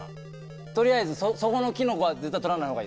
とりあえずそこのキノコは絶対取らない方がいいです。